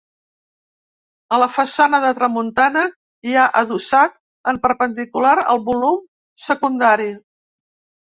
A la façana de tramuntana hi ha adossat en perpendicular el volum secundari.